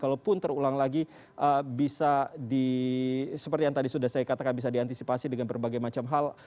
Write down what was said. jadi bisa di seperti yang tadi sudah saya katakan bisa diantisipasi dengan berbagai macam hal